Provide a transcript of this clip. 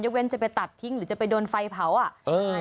เว้นจะไปตัดทิ้งหรือจะไปโดนไฟเผาอ่ะใช่